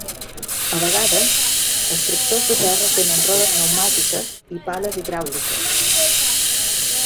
A vegades, els tractors de terra tenen rodes pneumàtiques i pales hidràuliques.